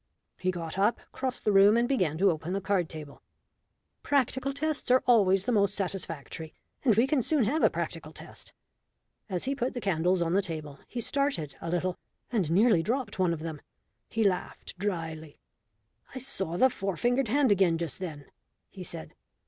He got up, crossed the room, and began to open the card table. "Practical tests are always the most satisfactory, and we can soon have a practical test." As he put the candles on the table he started a little and nearly dropped one of them. He laughed drily. "I saw the four fingered hand again just then," he said.